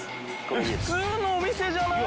普通のお店じゃない？